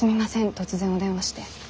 突然お電話して。